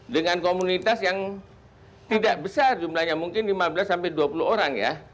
dengan komunitas yang tidak besar jumlahnya mungkin lima belas sampai dua puluh orang ya